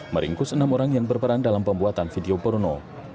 meringkus enam orang yang berperan dalam pembuatan video porno